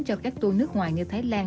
cho các tua nước ngoài như thái lan